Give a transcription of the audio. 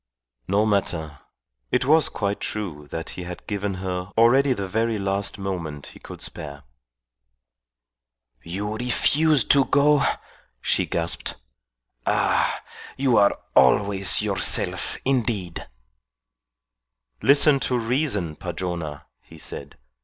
No matter. It was quite true that he had given her already the very last moment he could spare. "You refuse to go?" she gasped. "Ah! you are always yourself, indeed." "Listen to reason, Padrona," he said.